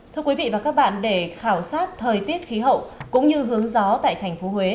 thưa quý vị và các bạn để khảo sát thời tiết khí hậu cũng như hướng gió tại thành phố huế